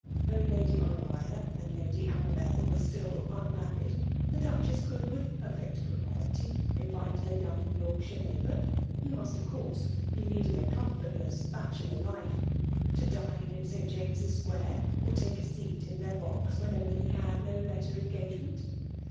Though Lady Ho noria and Lady Amabel were stiU unmarried, the Duchess could, with perfect propriety^ invite her young Yorkshire neighbour (who must of course be leading a comfortless bache lor life) to dine in St. James's Square^ or take a seat in their box, whenever he had no better engagement.